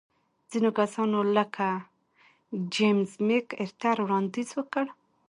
ځینو کسانو لکه جېمز مک ارتر وړاندیز وکړ.